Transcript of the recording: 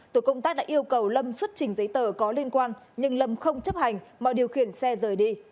tổ công tác đã yêu cầu lâm xuất trình giấy tờ có liên quan nhưng lâm không chấp hành mà điều khiển xe rời đi